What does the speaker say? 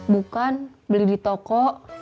bukan beli di toko